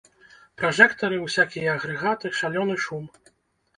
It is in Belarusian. Пражэктары, усякія агрэгаты, шалёны шум.